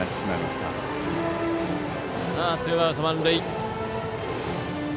さあツーアウト、満塁。